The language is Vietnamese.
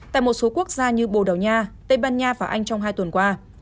tại một số quốc gia như bồ đào nha tây ban nha và anh trong hai tuần qua